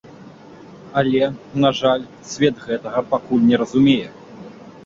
Але, на жаль, свет гэтага пакуль не разумее.